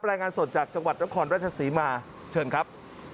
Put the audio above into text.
รายงานสดจากจังหวัดนครราชศรีมาเชิญครับ